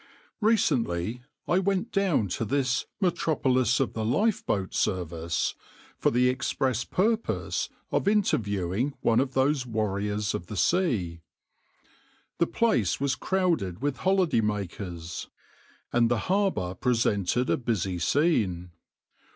\par Recently, I went down to this "metropolis of the lifeboat service," for the express purpose of interviewing one of those warriors of the sea. The place was crowded with holiday makers, and the harbour presented a busy scene.